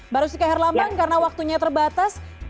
terus keherlambang karena waktunya terbatas